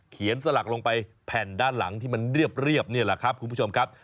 เขียนสลักลงไปแผ่นด้านหลังนี้เนี่ยนะครับคุณผู้ชมครับ